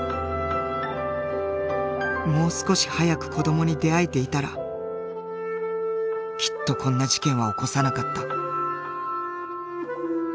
もう少し早く子どもに出会えていたらきっとこんな事件は起こさなかった。